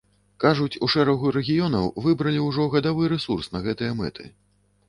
Кажуць, у шэрагу рэгіёнаў выбралі ўжо гадавы рэсурс на гэтыя мэты.